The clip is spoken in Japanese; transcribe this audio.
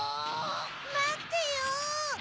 まってよ！